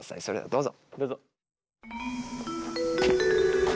どうぞ。